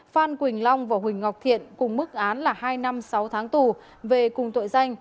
phan quỳnh long và huỳnh ngọc thiện cùng mức án là hai năm sáu tháng tù về cùng tội danh